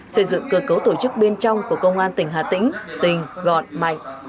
xây dựng cơ cấu tổ chức bên trong của công an tỉnh hà tĩnh tình gọn mạnh